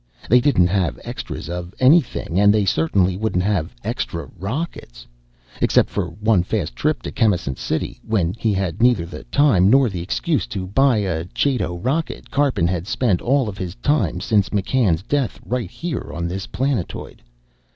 They didn't have extras of anything, and they certainly wouldn't have extra rockets. Except for one fast trip to Chemisant City when he had neither the time nor the excuse to buy a jato rocket Karpin had spent all of his time since McCann's death right here on this planetoid.